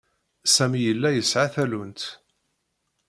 Sami yella yesɛa tallunt.